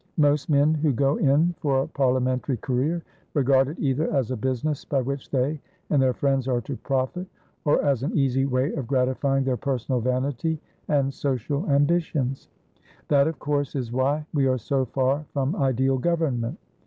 Most men who go in for a parliamentary career regard it either as a business by which they and their friends are to profit, or as an easy way of gratifying their personal vanity, and social ambitions. That, of course, is why we are so far from ideal government.